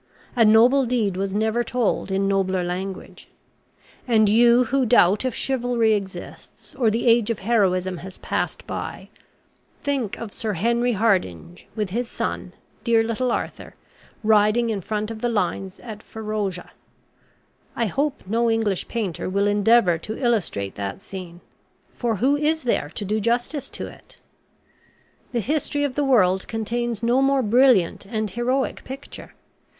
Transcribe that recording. A noble deed was never told in nobler language. And you who doubt if chivalry exists, or the age of heroism has passed by, think of Sir Henry Hardinge, with his son, 'dear little Arthur,' riding in front of the lines at Ferozeshah. I hope no English painter will endeavour to illustrate that scene; for who is there to do justice to it? The history of the world contains no more brilliant and heroic picture.